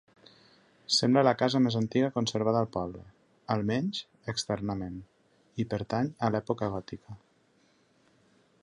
Sembla la casa més antiga conservada al poble, almenys externament, i pertany a l'època gòtica.